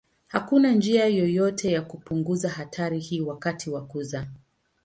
Hakuna njia yoyote ya kupunguza hatari hii wakati wa kuzaa.